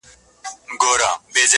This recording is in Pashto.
• د بهار په انتظار یو ګوندي راسي -